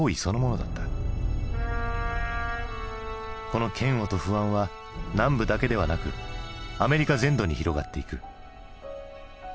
この嫌悪と不安は南部だけではなくアメリカ全土に広がっていく。